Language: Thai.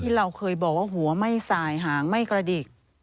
เราเคยบอกว่าหัวไม่สายหางไม่กระดิก